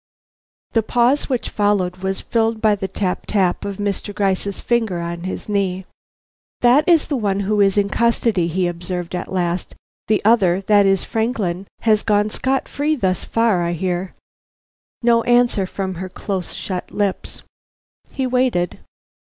The pause which followed was filled by the tap tap of Mr. Gryce's fingers on his knee. "That is the one who is in custody," he observed at last. "The other, that is Franklin, has gone scot free thus far, I hear." No answer from her close shut lips. He waited.